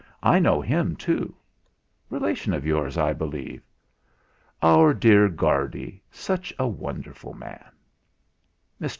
I know him too relation of yours, I believe." "Our dear Guardy such a wonderful man." Mr.